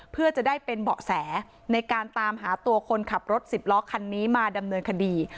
เพื่อจะได้เป็นเบาะแสในการตามหาตัวคนขับรถสิบล้อคันนี้มาดำเนินคดี